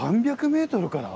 ３００ｍから？